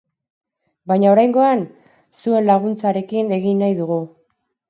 Baina oraingoan, zuen laguntzarekin egin nahi dugu.